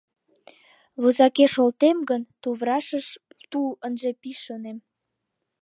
Возакеш олтем гын, туврашыш тул ынже пиж, шонем.